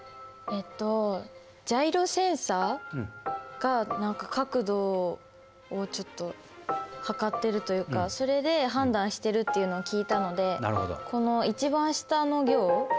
えっとジャイロセンサが何か角度をちょっと測ってるというかそれで判断してるっていうのを聞いたのでこの一番下の行。